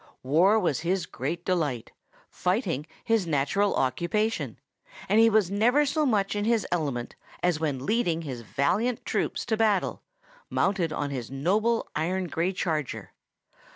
War was his great delight, fighting his natural occupation; and he was never so much in his element as when leading his valiant troops to battle, mounted on his noble iron gray charger.